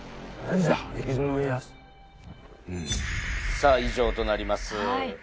さあ以上となります。